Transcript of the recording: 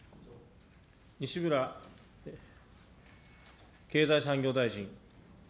西村経済産業大臣。